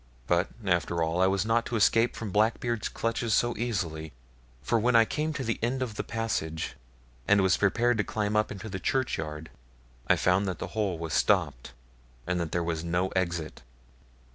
But, after all, I was not to escape from Blackbeard's clutches so easily; for when I came to the end of the passage, and was prepared to climb up into the churchyard, I found that the hole was stopped, and that there was no exit.